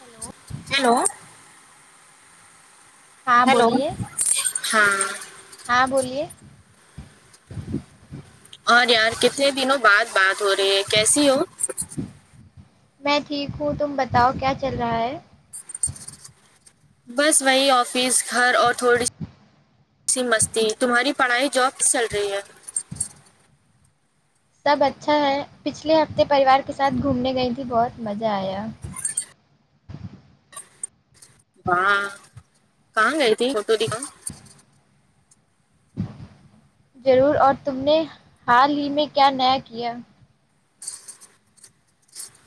hello hello ہاں hello بولیے ہاں ہاں بولیے اور یار کتنے دنوں بعد بات ہو رہی ہے کیسی ہو میں ٹھیک ہوں تم بتاؤ کیا چل رہا ہے بس وہی آفس گھر اور تھوڑی سی مستی تمہاری پڑھائی جاب سے چل رہی ہے سب اچھا ہے پچھلے ہفتے پریوار کے ساتھ گھومنے گئی تیں بہت مزہ آیا ہاں کہاں گئی تھی فوٹو دکھاؤ ضرور اور تم نے حال ہی میں کیا نیا کیا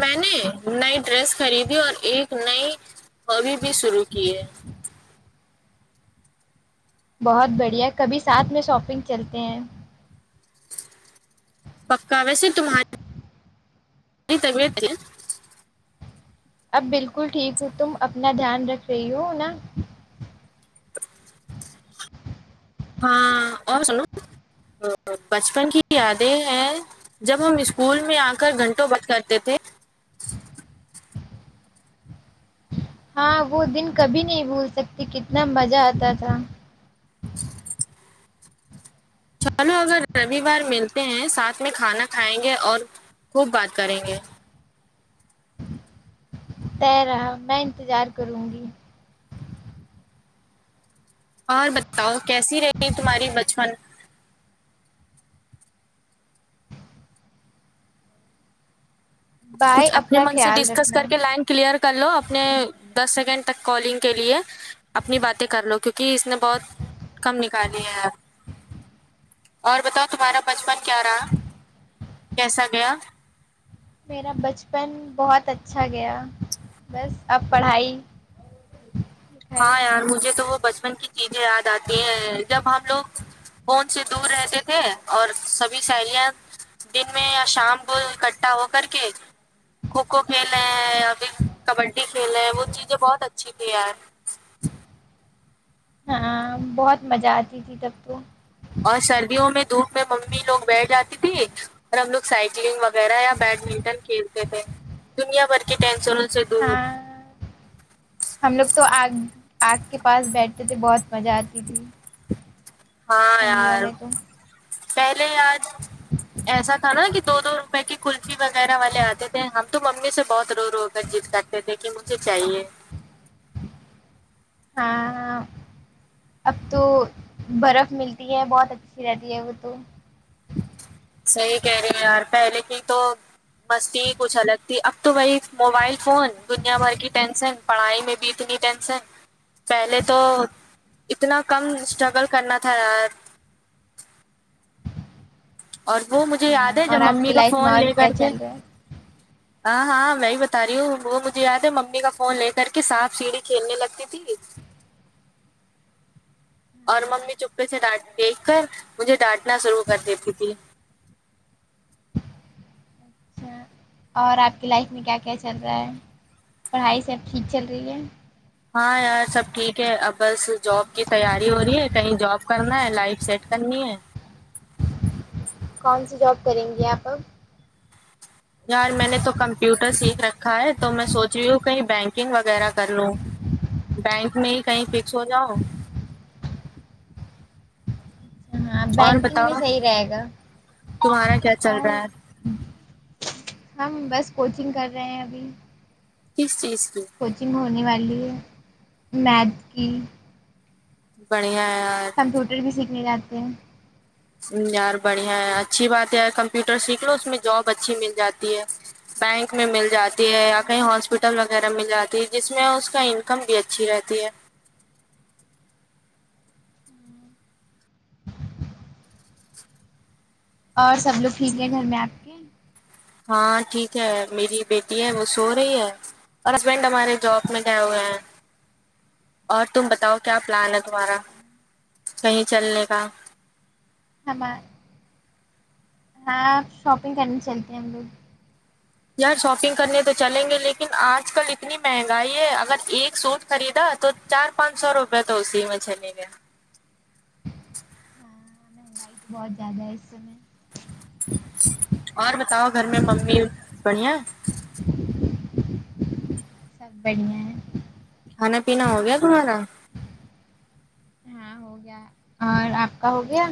میں نے نئی ڈریس خریدی اور ایک نئی ہابی بھی شروع کی ہے بہت بڑھیا کبھی ساتھ میں شاپنگ چلتے ہیں پکا ویسے تمہارے کی طبیعت اب بالکل ٹھیک ہو تم اپنا دھیان رکھ رہی ہو نا ہاں اور سنو بچپن کی یادیں ہیں جب ہم اسکول میں آ کر گھنٹوں ورک کرتے تھے ہاں وہ دن کبھی نہیں بھول سکتی کتنا مزہ آتا تھا چلو اگر رویوار ملتے ہیں ساتھ میں کھانا کھائیں گے اور خوب بات کریں گے طے رہا میں انتظار کروں گی اور بتاؤ کیسی رہی تمہاری بچپن بائے کچھ اپنے اپنا من سے خیال ڈسکس رکھنا کر کے لائن کلیئر کر لو اپنے دس سیکنڈ تک کالنگ کے لیے اپنی باتیں کر لو کیونکہ اس نے بہت کم نکالی ہے اور بتاؤ تمہارا بچپن کیا رہا کیسا گیا میرا بچپن بہت اچھا گیا بس اب پڑھائی [unintelligible] ہاں یار مجھے تو وہ بچپن کی چیزیں یاد آتی ہیں جب ہم لوگ فون سے دور رہتے تھے اور سبھی سیلیاں دن میں یا شام کو اکٹھا ہو کر کے کھوکھو کھیلے یا پھر کبڈی کھیل ہے وہ چیزیں بہت اچھی تھی ہاں بہت مزہ آتی تھی تب تو اور سردیوں میں دھوپ میں ممی لوگ بیٹھ جاتی تھی اور ہم لوگ سائیکلنگ وغیرہ یا بیڈمنٹن کھیلتے تھے دنیا بھر کی ٹینشنوں سے دور ہاں ہم لوگ تو آگ آگ کے پاس بیٹھتے تھے بہت مزہ آتی تھی ہاں ٹھنڈیوں یار میں تو پہلے آج ایسا تھا نا کہ کہ کلفی وغیرہ والے آتے تھے ہم تو ممی سے بہت رو رو کر ضد کرتے تھے کہ مجھے چاہیے ہاں اب تو برف ملتی ہے بہت اچھی رہتی ہے وہ تو صحیح کہہ رہے ہیں یار پہلے کی تو مستی کچھ الگ تھی اب تو وہی موبائل فون دنیا بھر کی ٹینسن پڑھائی میں بھی اتنی ٹینشن پہلے تو اتنا کم اسٹرگل کرنا تھا یار اور وہ مجھے یاد ہاں ہے جب اور آپ ممی کی کا لائف میں فون اور لے کیا کر کے چل رہا ہے ہاں ہاں میں بھی بتا رہی ہوں وہ مجھے یاد ہے ممی کا فون لے کر کے سانپ سیڑھی کھیلنے لگتی تھی اور ممی چپے سے ڈ دیکھ کر مجھے ڈانٹنا شروع کر دیتی تھی اچھا اور آپ کی لائف میں کیا کیا چل رہا ہے پڑھائی سب ٹھیک چل رہی ہے ہاں یار سب ٹھیک ہے اب بس جاب کی تیاری ہو رہی ہے کہیں جاب کرنا ہے لائف سیٹ کرنی ہے کون سی جاب کریں گی آپ اب یار میں نے تو کمپیوٹر سیکھ رکھا ہے تو میں سو جیو کہیں بینکنگ وغیرہ کر لوں بینک میں ہی کہیں فکس ہو جاؤ ہاں اور بینکنگ میں بتاؤ صحیح رہے گا تمہارا کیا چل اور رہا ہے ہم بس کوچنگ کر رہے ہیں ابھی کس چیز کی کوچنگ ہونے والی ہے میتھ کی بڑھیا ہے یار کمپیوٹر بھی سیکھنے جاتے ہیں یار بڑھیا ہے اچھی بات یار کمپیوٹر سیکھ لو اس میں جاب اچھی مل جاتی ہے بینک میں مل جا تی ہے یا کہیں ہاسپٹل وغیرہ مل جاتی جس میں اس کا انکم بھی اچھی رہتی ہے اور سب لوگ ٹھیک ہیں گھر میں آپ کے ہاں ٹھیک ہے میری بیٹی ہے وہ سو رہی ہے اور ہسبینڈ ہمارے جب میں گیے ہوئے ہیں اور تم بتاؤ کیا پلان ہے تمہارا کہیں چلنے کا ہمان ہاں شاپنگ کرنی چلتے ہیں ہم لوگ یار شاپنگ کرنے تو چلیں گے لیکن آج کل اتنی مہنگائی ہے اگر ایک سوٹ خریدا تو چار پانچ سو روپے تو اسی میں چلے گئے لائٹ بہت زیادہ ہے اس سمے میں اور بتاؤ گھر میں ممی بڑھیا سب بڑھیا ہیں کھانا پینا ہو گیا تمہارا ہاں ہو گیا اور آپ کا ہو گیا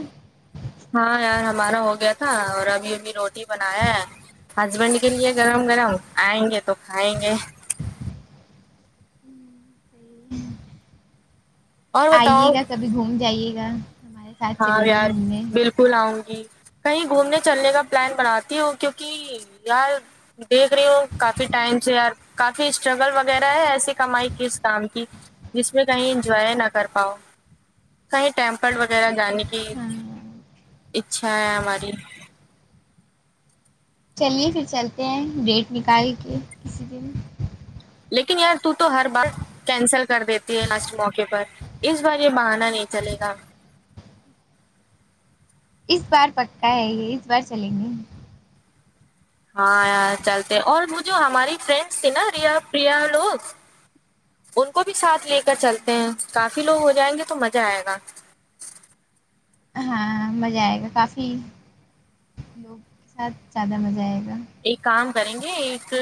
ہاں یار ہمارا ہو گیا تھا اور ابھی ابھی روٹی بنایا ہے ہسبینڈ کے لیے گرم گرم آئیں گے تو کھائیں گے اور بتاؤ آئیے گا ک بھی گھوم جائیے گا ہمارے ساتھ ہاں چلیے گا یار گھومنے بال کل اؤں گی کہیں گھومنے چلنے کا پلان بناتی ہوں کیوںکہ یار دیکھ رہی ہوں کافی ٹائم سے یار کافی اسٹرگل وغیرہ ہے ایسی کمائی کس کام کی جس میں کہیں انجوائے نہ کر پاؤ کہیں ٹیم پر وہ وغیرہ جانے کی ہاں اچھا ہے ہماری چلیے پھر چلتے ہیں ڈیٹ نکال کے کسی دن لیکن یار تو تو ہر بار کینسل کر دیتی ہے لاسٹ موقع پر اس بار یہ بہانا نہیں چلے گا اس بار پکا ہے یہ اس بار چلیں گے ہاں یار چلتے اور وہ جو ہماری فرینڈس تھی نا ریا پریا لوگ ان کو بھی ساتھ لے کر ہاں چلتے ہاں ہیں کافی لوگ ہو جائیں گے تو مزہ آئے گا ہاں مزہ آئے گا کافی لوگ کے ساتھ زیادہ مزہ آئے گا ایک کام کریں گے ایک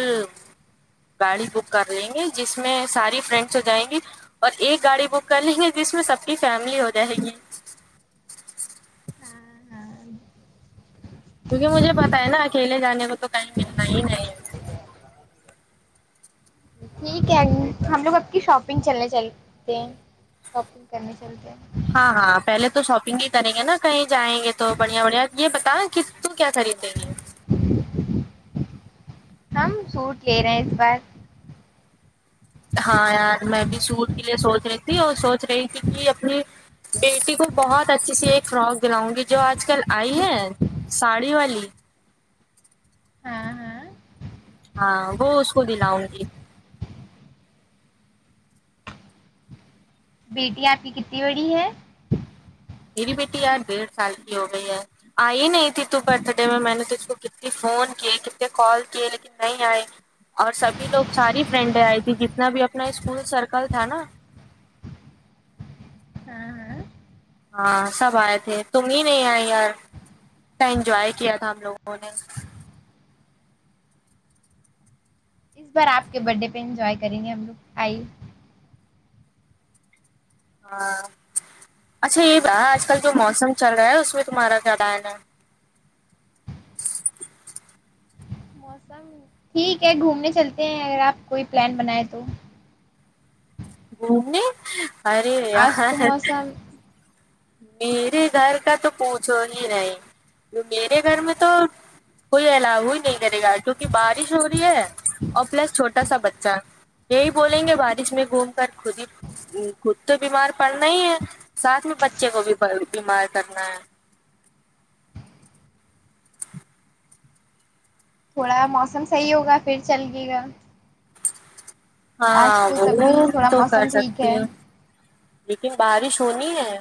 گاڑی بک کر لیں گے جس میں ساری فرینڈس ہو جائیں گی اور ایک گاڑی بک کر لیں گے جس میں سب کی فیملی ہو جائے گی ہاں ہاں کیونکہ مجھے پتا ہے نا اکیلے جانے کا تو کہی ملتا ہی نہیں ہے ٹھیک ہے ہم لوگ اب کی شاپنگ چلنے چلتے ہیں شاپنگ کرنے چلتے ہیں ہاں ہاں پہلے تو شاپنگ ہی کریں گے نا کہیں جائیں گے تو بڑھیا بڑھیا یہ بتا کہ تو کیا خریدیں گے ہم سوٹ لے رہے ہیں اس بار ہاں یار میں بھی سوٹ کے لیے سوچ رہی تھی اور سوچ رہی تھی کہ اپنی بیٹی کو بہت اچھی سی ایک فراک دلاؤں گی جو آج کل آئی ہے ساڑی والی ہاں ہاں ہاں وہ اس کو دلا انگی بیٹی آپ کی کتی بڑی ہے میری بیٹی یار ڈیڑھ سال کی ہو گئی ہے آئی نہیں تھی تو برتھ ڈے میں میں نے ترےکو کتنی فون کیے کتنے کال کیے لیکن نہیں آئی اور سبھی لوگ ساری فرینڈیں آئی تھی جتنا بھی اپنا اسکول سرکل تھا نا ہاں ہاں ہاں سب آئے تھے تم ہی نہیں آئے یار ا انجوائے کیا تھا ہم لوگوں نے اس بار آپ کے برتھ ڈے پہ انجوائے کریں گے ہم لوگ آئیے ہاں اچھا یہ آج کل جو موسم چل رہا ہے اس میں تمہارا کیا [unintelligible] ہے موسم ٹھیک ہے گھومنے چلتے ہیں اگر آپ کوئی پلان بنائیں تو گھومنے ارے آج تو یار موسم میرے گھر کا تو پوچھو ہی نہیں میرے گھر میں تو کوئی ایلاو ہی نہیں کرے گا کیونکہ بارش ہو رہی ہے اور پلس چھوٹا سا بچہ یہی بولیں گے بارش میں گھوم کر خود ہی خود تو بیمار پڑنا ہی ہے ساتھ میں بچے کو بھی بیمار کرنا ہے تھوڑا موسم صحیح ہوگا پھر چلیے گے ہاں تو تب بھی وہ تھوڑا تو کر موسم ٹھیک سکتی ہے ہوں لیکن بارش ہونی ہے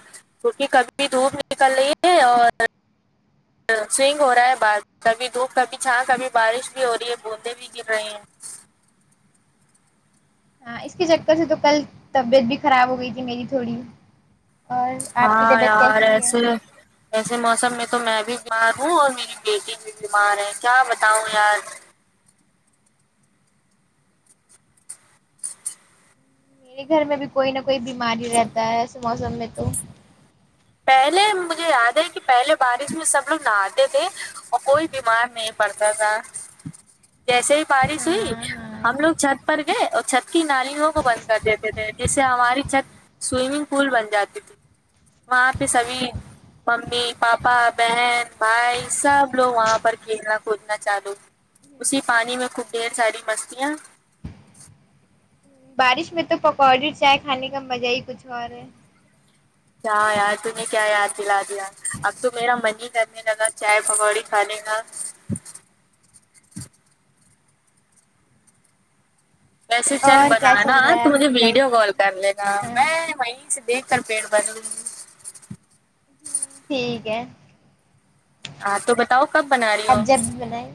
کیونکہ کبھی بھی دھوپ نکل رہی ہے اور سوئنگ ہو رہا ہے ب کبھی دھوپ کبھی چھا کبھی بارش بھی ہو رہی ہے بوندیں بھی گر رہے ہیں ہاں اس کے چکر سے تو کل طبیعت بھی خراب ہو گئی تھی میری تھوڑی اور آپ کی ہاں طبیعت یار کیسی ہے ایسے ایسے موسم میں تو میں بھی بیمار ہوں اور میری بیٹی بھی بیمار ہے کیا بتاؤں یار میرے گھر میں بھی کوئی نہ کوئی بیماری رہتا ہے ایسے موسم میں تو پہلے مجھے یاد ہے کہ پہلے بارش میں سب لوگ نہاتے تھے اور کوئی بیمار نہیں پڑتا تھا جیسے ہی بارش ہوئی ہاں ہاں ہم لوگ چھت پر گئے اور چھت کی نالیوں کو بند کر دیتے تھے جس سے ہماری چھت سوئمنگ پول بن جاتی تھی وہاں پہ سبھی ممی پاپا بہن بھائی سب لوگ وہاں پر کھیلنا کودنا چالو اسی پانی میں خوب ڈھیر ساری مستیاں بارش میں تو پکوڑی چائے کھانے کا مزہ ہی کچھ اور ہے کیا یار تو نے کیا یاد دلا دیا اب تو میرا من ہی کرنے لگا چائے پکوڑی کھانے کا ویسے چل اور کیا بنانا چل رہا ہے تو آپ مجھے کی لائف ویڈیو کال میں کر لے گا ہاں میں وہیں سے دیکھ کر پیڑ بھر لو ٹھیک ہے ہاں تو بتاؤ کب بنا رہی ہو اب جب بھی بنائیں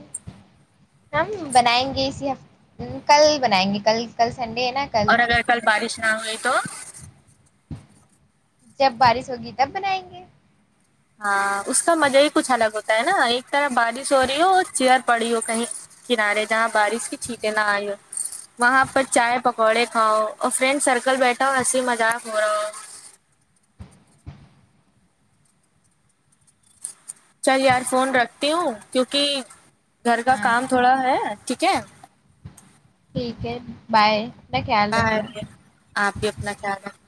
ہم بنائیں گے اسی ہف کل بنائیں گے کل کل سنڈے ہے نا اور اگر کل بارش نہ ہوئی تو جب بارش ہوگی تب بنائیں گے ہاں اس کا مزہ ہی کچھ الگ ہوتا ہے نا ایک طرف بارش ہو رہی ہو اور چیئر ہاں پڑی ہو کہیں کنارے جہاں بارش بھی چھینیکے نہ آئی رہے ہو وہاں پر چائے پکوڑے ہاں کھاؤ اور فرینڈ سرکل بیٹھا ہو ہنسی مذاق ہو رہا ہو چل یار فون رکھتی ہوں کیوںکہ گھر کا ہاں کام تھوڑا ہے ٹھیک ہے ٹھیک ہے بائے اپنا خیال بائے رکھنا آپ بھی اپنا خیال رکھ